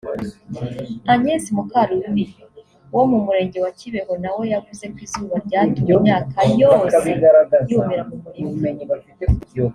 Agnes Mukarubibi wo mu murenge wa Kibeho na we yavuze ko izuba ryatumye imyaka yose yumira mu murima